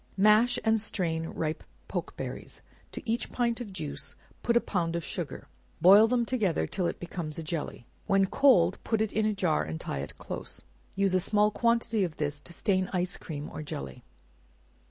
Mash and strain ripe pokeberries; to each pint of juice put a pound of sugar; boil them together till it becomes a jelly; when cold put it in a jar and tie it close; use a small quantity of this to stain ice cream or jelly.